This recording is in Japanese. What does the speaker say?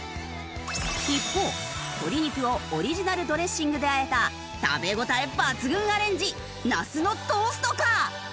一方鶏肉をオリジナルドレッシングで和えた食べ応え抜群アレンジ那須のトーストか？